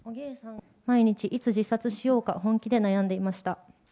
毎日いつ自殺しようか、本気で悩んでいました。